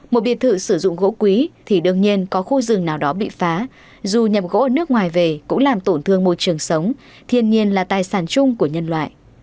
một biệt thự sử dụng gỗ quý thì đương nhiên có khu rừng nào đó bị phá dù nhập gỗ nước ngoài về cũng làm tổn thương môi trường sống thiên nhiên là tài sản chung của nhân loại